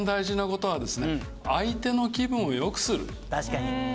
確かに。